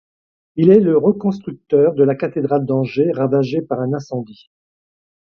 Il est le reconstructeur de la cathédrale d'Angers ravagée par un incendie.